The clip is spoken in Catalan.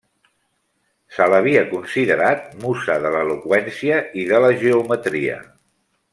Se l'havia considerat musa de l'eloqüència i de la geometria.